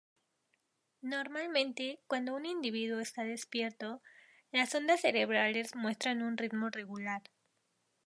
Normalmente, cuando un individuo está despierto, las ondas cerebrales muestran un ritmo regular.